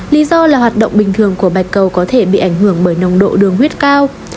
lý do là hoạt động bình thường của bạch cầu có thể bị ảnh hưởng bởi nồng độ đường huyết cao